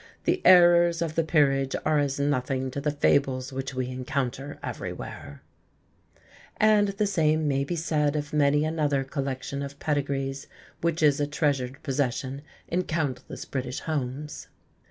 The errors of the 'peerage' are as nothing to the fables which we encounter everywhere;" and the same may be said of many another collection of pedigrees which is a treasured possession in countless British homes.